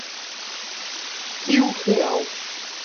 Rio Real